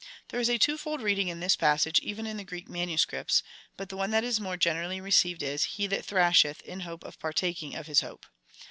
There is a twofold reading in this passage, even in the Greek manu scripts, but the one that is more generally received is — He that thrasheth, in hope of partaking of his hope.